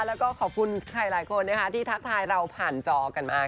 แล้วก็ขอบคุณใครหลายคนนะคะที่ทักทายเราผ่านจอกันมา